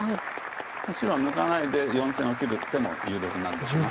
白は抜かないで４線を切る手も有力なんですが。